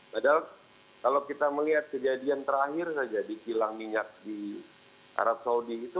padahal kalau kita melihat kejadian terakhir saja di kilang minyak di arab saudi itu